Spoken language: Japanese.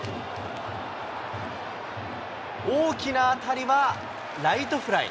大きな当たりはライトフライ。